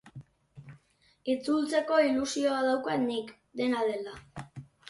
Itzultzeko ilusioa daukat nik, dena dela.